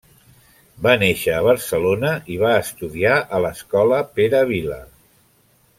Va néixer a Barcelona i va estudiar a l'escola Pere Vila.